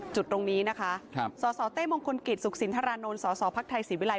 จุดตรงนี้นะคะสสเต้มงคลกิจสุขสินทรานนท์สสพักไทยศรีวิลัย